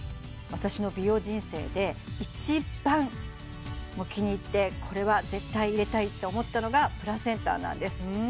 私の美容人生で一番もう気に入ってこれは絶対入れたいって思ったのがプラセンタなんです